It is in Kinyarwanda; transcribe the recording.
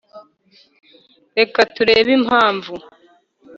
Reka turebe impamvu